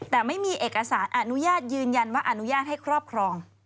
แต่ไม่มีเอกสารอนุญาตยืนยันว่าอนุญาตให้ครอบครอง